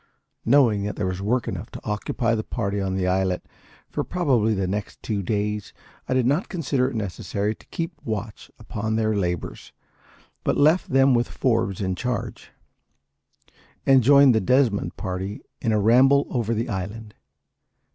Knowing that there was work enough to occupy the party on the islet for probably the next two days, I did not consider it necessary to keep a watch upon their labours, but left them with Forbes in charge, and joined the Desmond party in a ramble over the island.